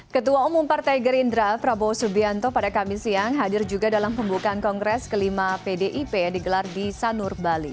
ketua umum partai gerindra prabowo subianto pada kamis siang hadir juga dalam pembukaan kongres kelima pdip yang digelar di sanur bali